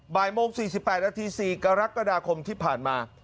บ่ายโมง๔๘นาที๔กรกฎาคมที่ผ่านมา